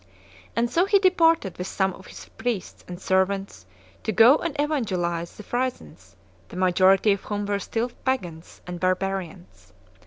And so he departed with some of his priests and servants to go and evangelize the Frisons, the majority of whom were still pagans and barbarians.